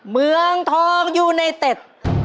เมืองทองยูไนเต็ด